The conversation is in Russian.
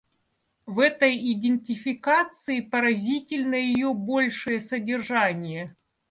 В этой идентификации поразительно ее большее содержание.